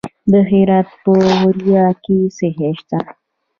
د هرات په غوریان کې څه شی شته؟